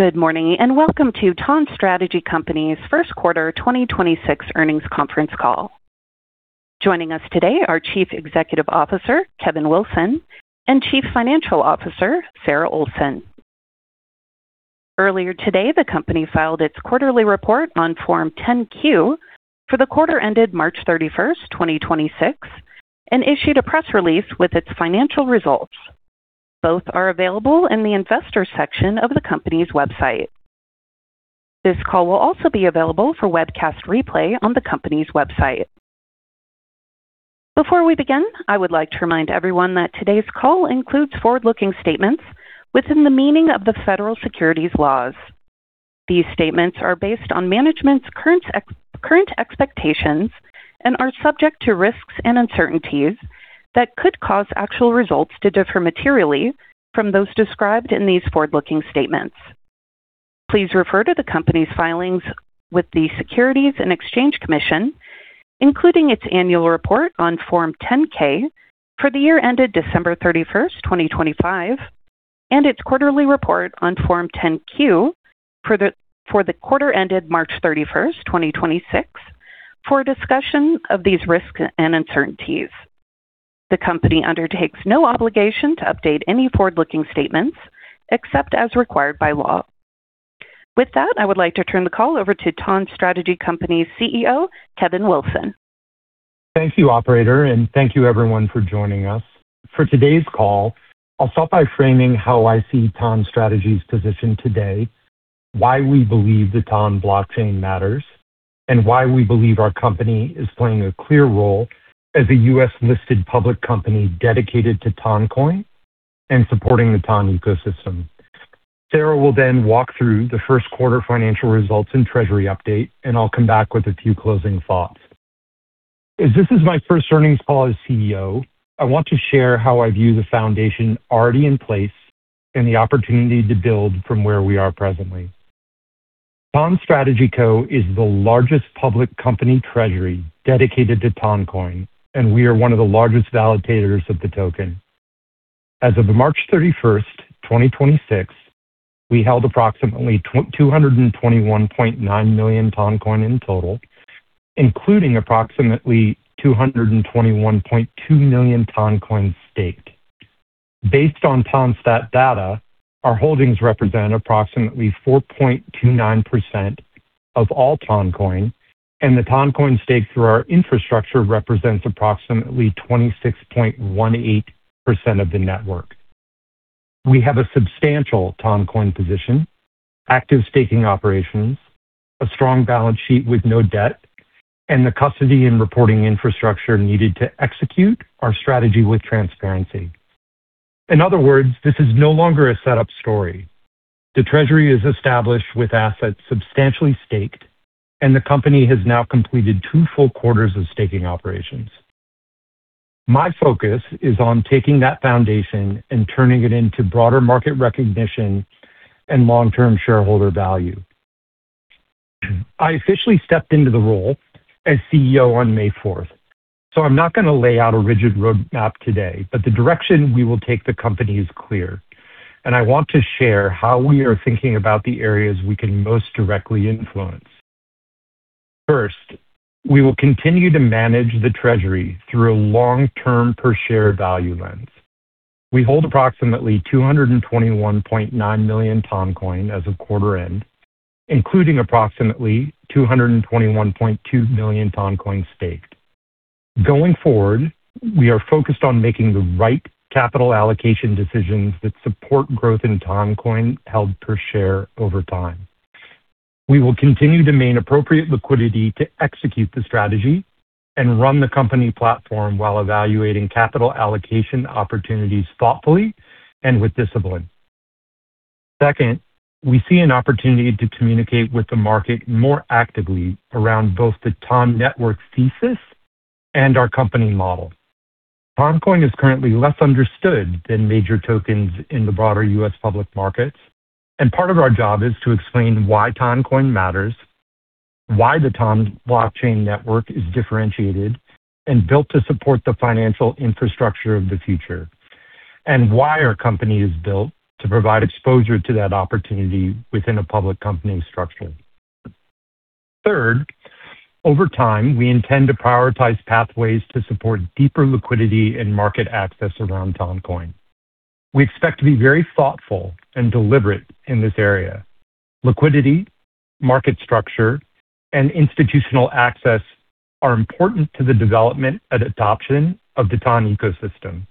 Good morning, and welcome to TON Strategy Company's First Quarter 2026 Earnings Conference Call. Joining us today are Chief Executive Officer, Kevin Wilson, and Chief Financial Officer, Sarah Olsen. Earlier today, the company filed its quarterly report on Form 10-Q for the quarter ended March 31st, 2026 and issued a press release with its financial results. Both are available in the investors section of the company's website. This call will also be available for webcast replay on the company's website. Before we begin, I would like to remind everyone that today's call includes forward-looking statements within the meaning of the federal securities laws. These statements are based on management's current expectations and are subject to risks and uncertainties that could cause actual results to differ materially from those described in these forward-looking statements. Please refer to the company's filings with the Securities and Exchange Commission, including its annual report on Form 10-K for the year ended December 31st, 2025, and its quarterly report on Form 10-Q for the quarter ended March 31st, 2026 for a discussion of these risks and uncertainties. The company undertakes no obligation to update any forward-looking statements except as required by law. With that, I would like to turn the call over to TON Strategy Company's CEO, Kevin Wilson. Thank you, operator, and thank you everyone for joining us. For today's call, I'll start by framing how I see TON Strategy's position today, why we believe the TON blockchain matters, and why we believe our company is playing a clear role as a U.S.-listed public company dedicated to Toncoin and supporting the TON ecosystem. Sarah will then walk through the first quarter financial results and treasury update, and I'll come back with a few closing thoughts. As this is my first earnings call as CEO, I want to share how I view the foundation already in place and the opportunity to build from where we are presently. TON Strategy Co is the largest public company treasury dedicated to Toncoin, and we are one of the largest validators of the token. As of March 31st, 2026, we held approximately 221.9 million Toncoin in total, including approximately 221.2 million Toncoin staked. Based on TonStat data, our holdings represent approximately 4.29% of all Toncoin, and the Toncoin staked through our infrastructure represents approximately 26.18% of the TON network. We have a substantial Toncoin position, active staking operations, a strong balance sheet with no debt, and the custody and reporting infrastructure needed to execute our strategy with transparency. In other words, this is no longer a set-up story. The treasury is established with assets substantially staked, and the company has now completed two full quarters of staking operations. My focus is on taking that foundation and turning it into broader market recognition and long-term shareholder value. I officially stepped into the role as CEO on May 4th, so I'm not gonna lay out a rigid roadmap today. The direction we will take the company is clear, and I want to share how we are thinking about the areas we can most directly influence. First, we will continue to manage the treasury through a long-term per-share value lens. We hold approximately 221.9 million Toncoin as of quarter end, including approximately 221.2 million Toncoin staked. Going forward, we are focused on making the right capital allocation decisions that support growth in Toncoin held per share over time. We will continue to maintain appropriate liquidity to execute the strategy and run the company platform while evaluating capital allocation opportunities thoughtfully and with discipline. Second, we see an opportunity to communicate with the market more actively around both the TON network thesis and our company model. Toncoin is currently less understood than major tokens in the broader U.S. public markets. Part of our job is to explain why Toncoin matters, why the TON blockchain network is differentiated and built to support the financial infrastructure of the future, and why our company is built to provide exposure to that opportunity within a public company structure. Third, over time, we intend to prioritize pathways to support deeper liquidity and market access around Toncoin. We expect to be very thoughtful and deliberate in this area. Liquidity, market structure, and institutional access are important to the development and adoption of the TON ecosystem.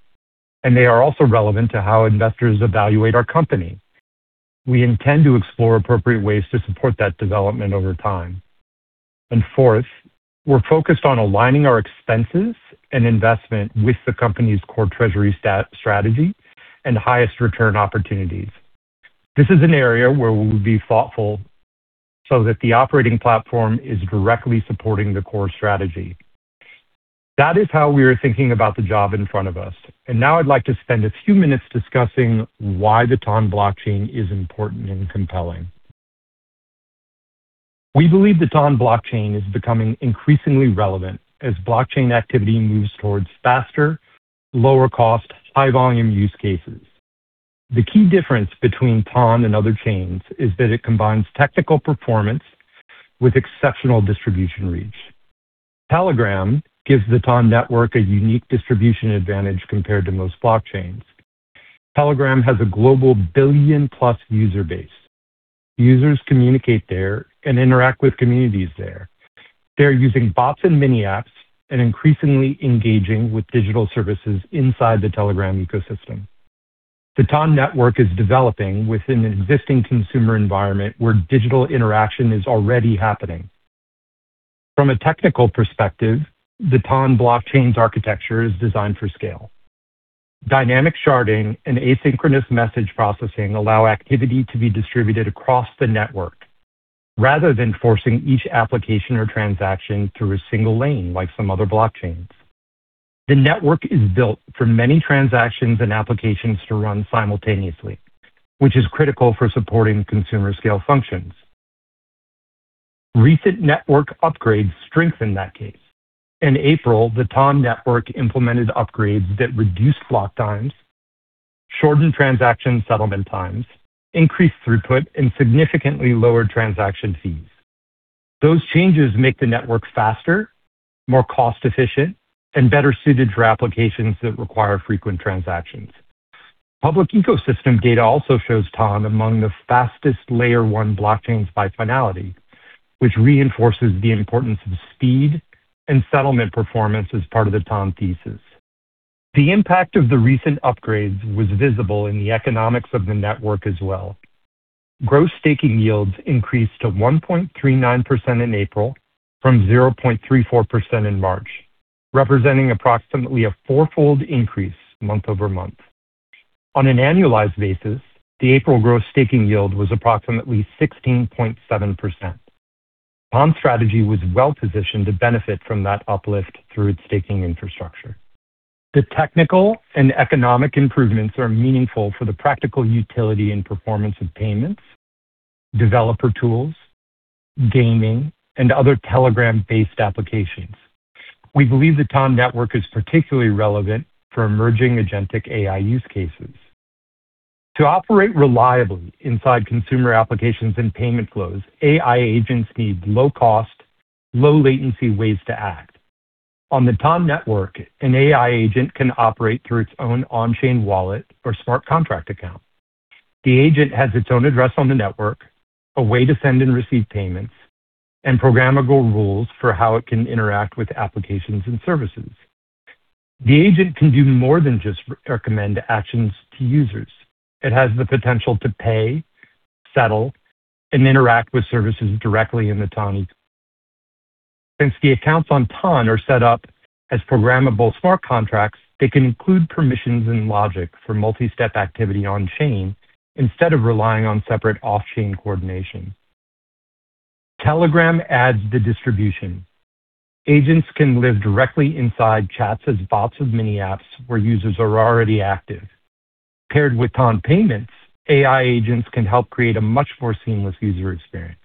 They are also relevant to how investors evaluate our company. We intend to explore appropriate ways to support that development over time. Fourth, we're focused on aligning our expenses and investment with the company's core treasury strategy and highest return opportunities. This is an area where we'll be thoughtful so that the operating platform is directly supporting the core strategy. That is how we are thinking about the job in front of us. Now I'd like to spend a few minutes discussing why the TON blockchain is important and compelling. We believe the TON blockchain is becoming increasingly relevant as blockchain activity moves towards faster, lower cost, high volume use cases. The key difference between TON and other chains is that it combines technical performance with exceptional distribution reach. Telegram gives the TON network a unique distribution advantage compared to most blockchains. Telegram has a global billion plus user base. Users communicate there and interact with communities there. They're using bots and Mini Apps and increasingly engaging with digital services inside the Telegram ecosystem. The TON network is developing within an existing consumer environment where digital interaction is already happening. From a technical perspective, the TON blockchain's architecture is designed for scale. dynamic sharding and asynchronous message processing allow activity to be distributed across the network rather than forcing each application or transaction through a single lane like some other blockchains. The network is built for many transactions and applications to run simultaneously, which is critical for supporting consumer scale functions. Recent network upgrades strengthen that case. In April, the TON network implemented upgrades that reduced block times, shortened transaction settlement times, increased throughput, and significantly lowered transaction fees. Those changes make the network faster, more cost efficient, and better suited for applications that require frequent transactions. Public ecosystem data also shows TON among the fastest Layer 1 blockchains by finality, which reinforces the importance of speed and settlement performance as part of the TON thesis. The impact of the recent upgrades was visible in the economics of the network as well. Gross staking yields increased to 1.39% in April from 0.34% in March, representing approximately a four-fold increase month-over-month. On an annualized basis, the April gross staking yield was approximately 16.7%. TON Strategy was well-positioned to benefit from that uplift through its staking infrastructure. The technical and economic improvements are meaningful for the practical utility and performance of payments, developer tools, gaming, and other Telegram-based applications. We believe the TON network is particularly relevant for emerging agentic AI use cases. To operate reliably inside consumer applications and payment flows, AI agents need low cost, low latency ways to act. On the TON network, an AI agent can operate through its own on-chain wallet or smart contract account. The agent has its own address on the network, a way to send and receive payments, and programmable rules for how it can interact with applications and services. The agent can do more than just recommend actions to users. It has the potential to pay, settle, and interact with services directly in the TON. Since the accounts on TON are set up as programmable smart contracts, they can include permissions and logic for multi-step activity on-chain instead of relying on separate off-chain coordination. Telegram adds the distribution. Agents can live directly inside chats as bots of Mini Apps where users are already active. Paired with TON payments, AI agents can help create a much more seamless user experience.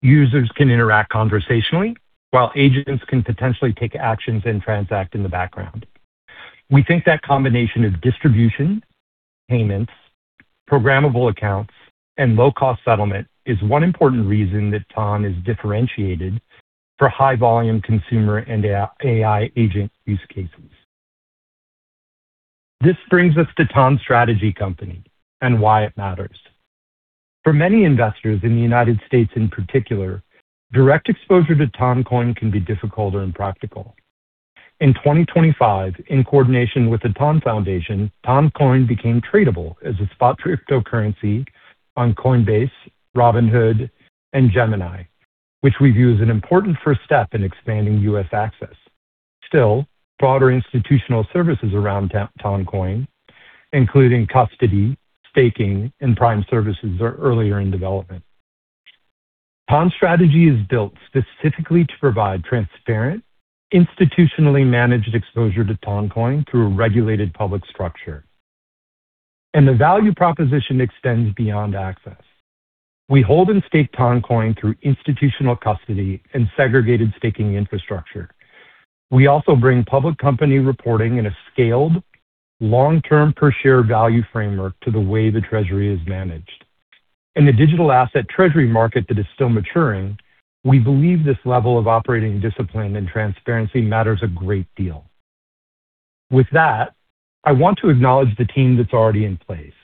Users can interact conversationally, while agents can potentially take actions and transact in the background. We think that combination of distribution, payments, programmable accounts, and low cost settlement is one important reason that TON is differentiated for high volume consumer and AI agent use cases. This brings us to TON Strategy Company and why it matters. For many investors in the U.S. in particular, direct exposure to Toncoin can be difficult or impractical. In 2025, in coordination with the TON Foundation, Toncoin became tradable as a spot cryptocurrency on Coinbase, Robinhood, and Gemini, which we view as an important first step in expanding U.S. access. Still, broader institutional services around Toncoin, including custody, staking, and prime services are earlier in development. TON Strategy Company is built specifically to provide transparent, institutionally managed exposure to Toncoin through a regulated public structure. The value proposition extends beyond access. We hold and stake Toncoin through institutional custody and segregated staking infrastructure. We also bring public company reporting in a scaled, long-term per share value framework to the way the treasury is managed. In the digital asset treasury market that is still maturing, we believe this level of operating discipline and transparency matters a great deal. With that, I want to acknowledge the team that's already in place.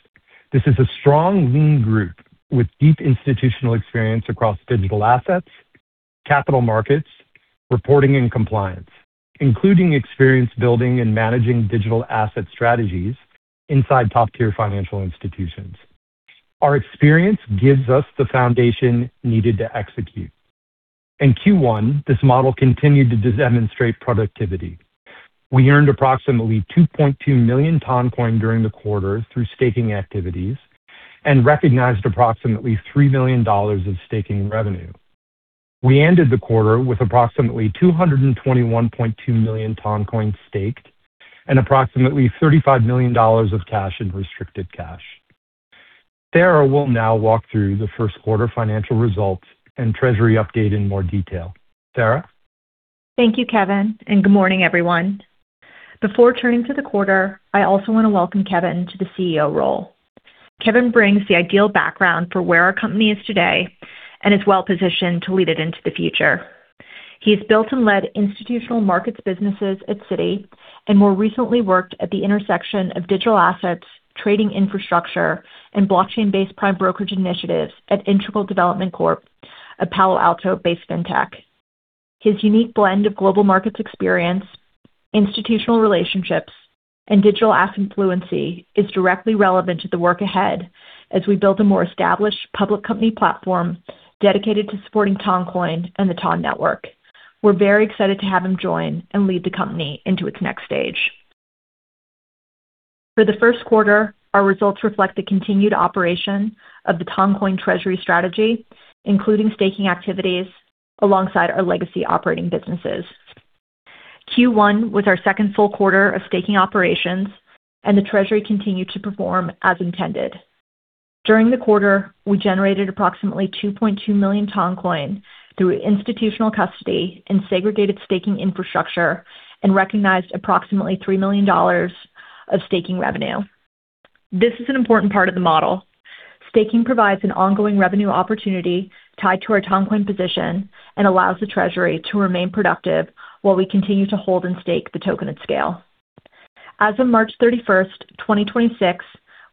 This is a strong, lean group with deep institutional experience across digital assets, capital markets, reporting and compliance, including experience building and managing digital asset strategies inside top-tier financial institutions. Our experience gives us the foundation needed to execute. In Q1, this model continued to demonstrate productivity. We earned approximately 2.2 million Toncoin during the quarter through staking activities and recognized approximately $3 million of staking revenue. We ended the quarter with approximately 221.2 million Toncoin staked. Approximately $35 million of cash and restricted cash. Sarah will now walk through the first quarter financial results and treasury update in more detail. Sarah? Thank you, Kevin, and good morning, everyone. Before turning to the quarter, I also want to welcome Kevin to the CEO role. Kevin brings the ideal background for where our company is today and is well-positioned to lead it into the future. He has built and led institutional markets businesses at Citi, and more recently worked at the intersection of digital assets, trading infrastructure, and blockchain-based prime brokerage initiatives at Integral Development Corp., a Palo Alto-based fintech. His unique blend of global markets experience, institutional relationships, and digital asset fluency is directly relevant to the work ahead as we build a more established public company platform dedicated to supporting Toncoin and the TON network. We're very excited to have him join and lead the company into its next stage. For the first quarter, our results reflect the continued operation of the Toncoin treasury strategy, including staking activities alongside our legacy operating businesses. Q1 was our second full quarter of staking operations, and the treasury continued to perform as intended. During the quarter, we generated approximately 2.2 million Toncoin through institutional custody and segregated staking infrastructure and recognized approximately $3 million of staking revenue. This is an important part of the model. Staking provides an ongoing revenue opportunity tied to our Toncoin position and allows the treasury to remain productive while we continue to hold and stake the token at scale. As of March 31st, 2026,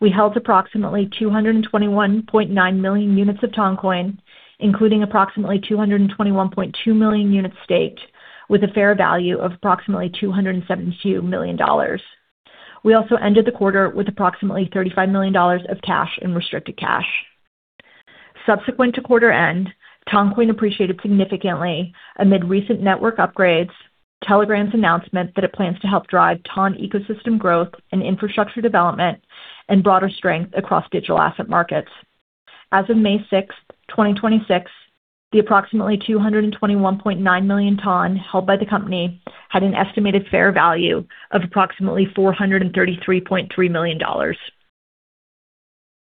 we held approximately 221.9 million units of Toncoin, including approximately 221.2 million units staked with a fair value of approximately $272 million. We also ended the quarter with approximately $35 million of cash and restricted cash. Subsequent to quarter end, Toncoin appreciated significantly amid recent network upgrades, Telegram's announcement that it plans to help drive TON ecosystem growth and infrastructure development, and broader strength across digital asset markets. As of May 6th, 2026, the approximately 221.9 million Toncoin held by the company had an estimated fair value of approximately $433.3 million.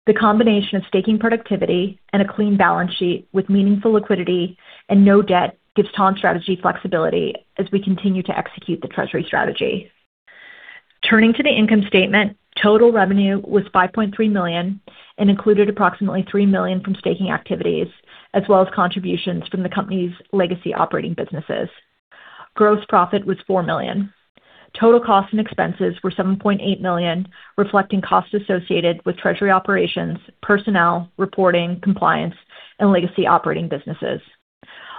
The combination of staking productivity and a clean balance sheet with meaningful liquidity and no debt gives TON Strategy flexibility as we continue to execute the treasury strategy. Turning to the income statement, total revenue was $5.3 million and included approximately $3 million from staking activities as well as contributions from the company's legacy operating businesses. Gross profit was $4 million. Total costs and expenses were $7.8 million, reflecting costs associated with treasury operations, personnel, reporting, compliance, and legacy operating businesses.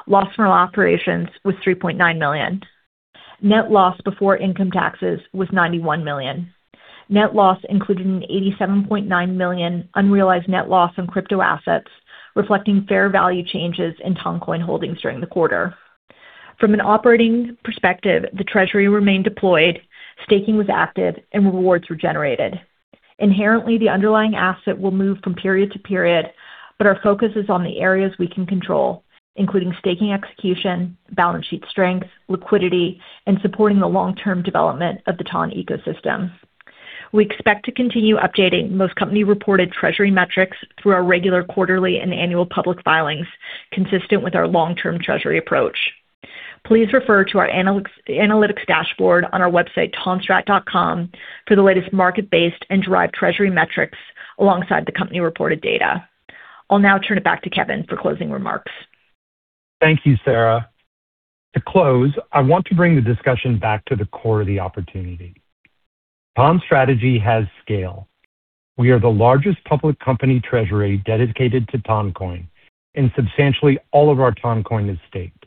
Loss from our operations was $3.9 million. Net loss before income taxes was $91 million. Net loss included an $87.9 million unrealized net loss on crypto assets, reflecting fair value changes in Toncoin holdings during the quarter. From an operating perspective, the treasury remained deployed, staking was active, and rewards were generated. Inherently, the underlying asset will move from period to period, but our focus is on the areas we can control, including staking execution, balance sheet strength, liquidity, and supporting the long-term development of the TON ecosystem. We expect to continue updating most company-reported treasury metrics through our regular quarterly and annual public filings, consistent with our long-term treasury approach. Please refer to our analytics dashboard on our website, tonstrat.com, for the latest market-based and derived treasury metrics alongside the company-reported data. I'll now turn it back to Kevin for closing remarks. Thank you, Sarah. To close, I want to bring the discussion back to the core of the opportunity. TON Strategy has scale. We are the largest public company treasury dedicated to Toncoin. Substantially all of our Toncoin is staked.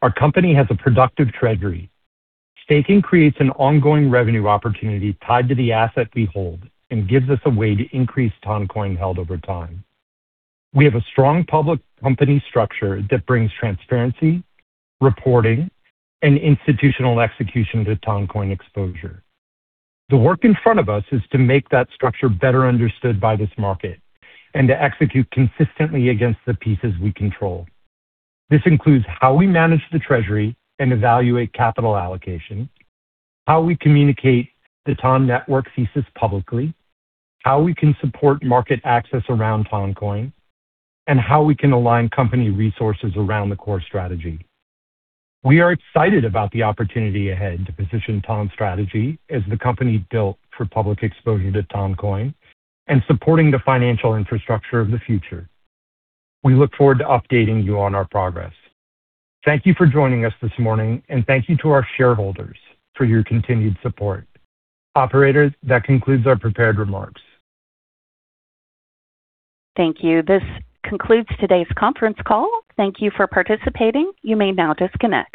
Our company has a productive treasury. Staking creates an ongoing revenue opportunity tied to the asset we hold and gives us a way to increase Toncoin held over time. We have a strong public company structure that brings transparency, reporting, and institutional execution to Toncoin exposure. The work in front of us is to make that structure better understood by this market and to execute consistently against the pieces we control. This includes how we manage the treasury and evaluate capital allocation, how we communicate the TON network thesis publicly, how we can support market access around Toncoin, and how we can align company resources around the core strategy. We are excited about the opportunity ahead to position TON Strategy as the company built for public exposure to Toncoin and supporting the financial infrastructure of the future. We look forward to updating you on our progress. Thank you for joining us this morning, and thank you to our shareholders for your continued support. Operator, that concludes our prepared remarks. Thank you. This concludes today's conference call. Thank you for participating. You may now disconnect.